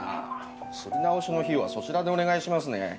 刷り直しの費用はそちらでお願いしますね。